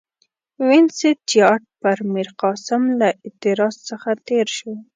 وینسیټیارټ پر میرقاسم له اعتراض څخه تېر شو.